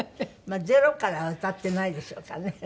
ゼロからは歌っていないでしょうからね。